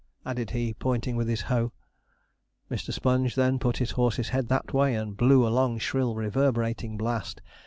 added he, pointing with his hoe. Mr. Sponge then put his horse's head that way, and blew a long shrill reverberating blast.